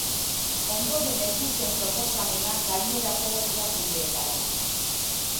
Ondoren heldu zen proposamena gainerako erakundeetara.